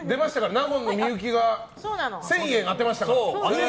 納言の幸が１０００円当てましたから。